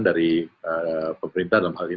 dari pemerintah dalam hal ini